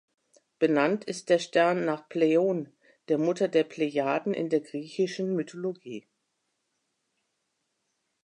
Benannt ist der Stern nach Pleione, der Mutter der Plejaden in der griechischen Mythologie.